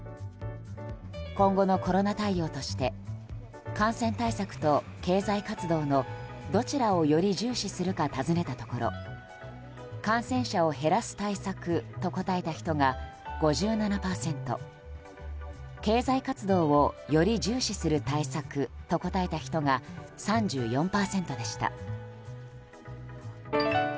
今後のコロナ対応として感染対策と経済活動のどちらをより重視するか尋ねたところ感染者を減らす対策と答えた人が５７％経済活動をより重視する対策と答えた人が３４％でした。